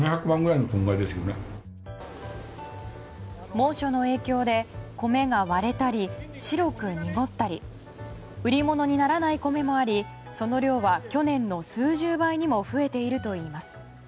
猛暑の影響で米が割れたり、白く濁ったり売り物にならない米もありその量は去年の数十倍にも増えているといいます。